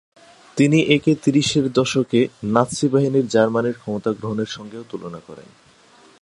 তিনি একে তিরিশের দশকে নাৎসি বাহিনীর জার্মানির ক্ষমতা গ্রহণের সঙ্গেও তুলনা করেন।